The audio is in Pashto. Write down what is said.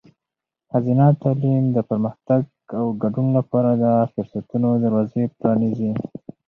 ښځینه تعلیم د پرمختګ او ګډون لپاره د فرصتونو دروازې پرانیزي.